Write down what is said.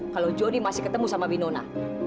kalau jody masih ketemu sama winona